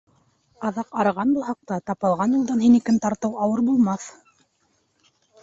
Аҙаҡ, арыған булһаҡ та, тапалған юлдан һинекен тартыу ауыр булмаҫ.